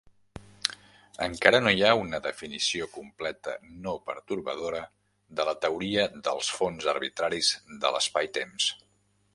Encara no hi ha una definició completa no pertorbadora de la teoria dels fons arbitraris de l'espai-temps.